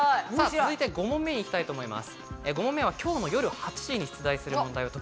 続いて５問目に行きたいと思います。